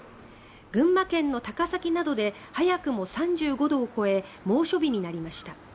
群馬県の高崎などで早くも３５度を超え猛暑日になりました。